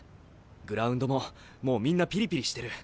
グラウンドももうみんなピリピリしてる。